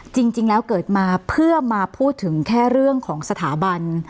จริงแล้วเกิดมาเพื่อมาพูดถึงแค่เรื่องของสถาบัน